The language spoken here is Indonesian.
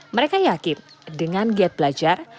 mereka yakin dengan giat belajar